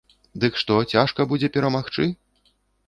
Дык што, цяжка будзе перамагчы?